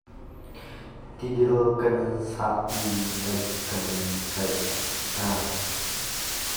Tidil kan sah i ngai kan tlaih hna.